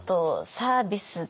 サービスで？